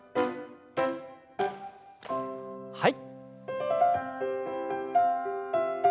はい。